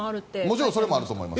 もちろんそれもあると思います。